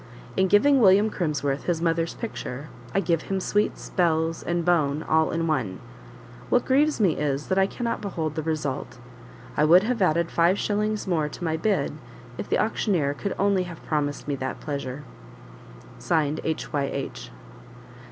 In giving William Crimsworth his mother's picture, I give him sweets, bells, and bone all in one; what grieves me is, that I cannot behold the result; I would have added five shillings more to my bid if the auctioneer could only have promised me that pleasure. "H. Y. H.